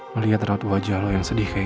melihat raut wajah lo yang sedih kayak gini